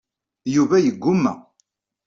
Yuba yegguma.